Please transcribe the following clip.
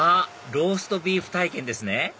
ローストビーフ体験ですね